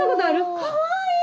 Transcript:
かわいい！